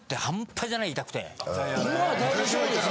今はだいぶそうですね。